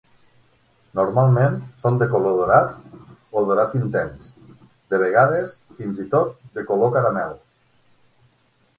Normalment són de color daurat o daurat intens, de vegades fins i tot de color caramel.